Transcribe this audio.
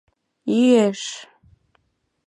Йӱэш...